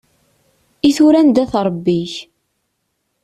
I tura anda-t Ṛebbi-k?